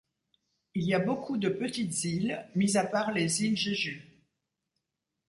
Il y a beaucoup de petites îles, mis à part les îles Jeju.